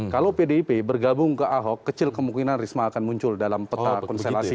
kalau pdip bergabung ke ahok kecil kemungkinan risma akan muncul dalam peta konstelasi